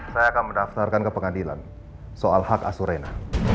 saya akan mendaftarkan ke pengadilan soal hak asur rena